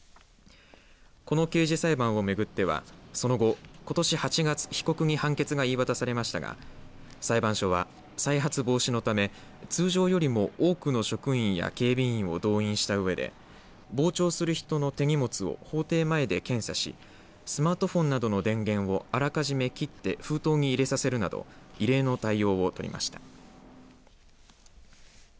この刑事裁判を巡ってはその後、ことし８月被告に判決が言い渡されましたが裁判所は再発防止のため通常よりも多くの職員や警備員を動員したうえで傍聴する人の手荷物を法廷前で検査しスマートフォンなどの電源をあらかじめ切って封筒に入れさせるなど異例の対応を取りました。